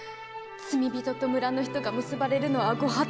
罪人と村の人が結ばれるのは御法度。